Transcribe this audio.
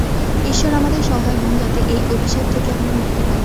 ইশ্বর আমাদের সহায় হোন, যাতে এই অভিশাপ থেকে আমরা মুক্তি পাই।